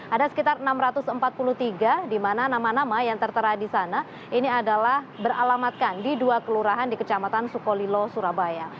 ada sekitar enam ratus empat puluh tiga di mana nama nama yang tertera di sana ini adalah beralamatkan di dua kelurahan di kecamatan sukolilo surabaya